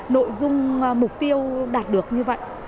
nội dung mục tiêu đạt được như vậy